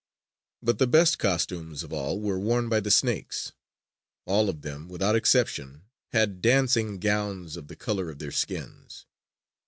But the best costumes of all were worn by the snakes. All of them, without exception, had dancing gowns of the color of their skins.